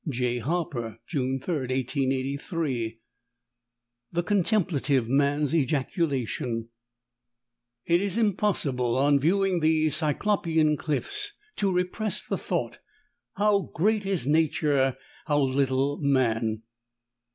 _ J. Harper, June 3rd, 1883. The contemplative man's ejaculation: _It is impossible, on viewing these Cyclopean cliffs, to repress the thought, How great is Nature, how little Man!